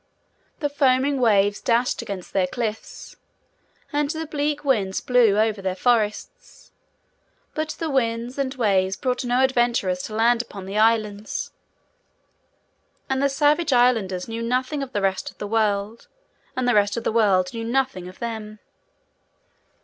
The foaming waves dashed against their cliffs, and the bleak winds blew over their forests; but the winds and waves brought no adventurers to land upon the Islands, and the savage Islanders knew nothing of the rest of the world, and the rest of the world knew nothing of them.